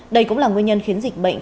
đây cũng là nguyên nhân khiến dịch bệnh